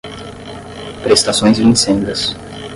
prestações vincendas